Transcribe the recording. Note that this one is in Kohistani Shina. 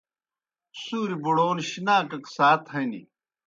سُوریْ بُڑَون شِناکَک سات ہنیْ۔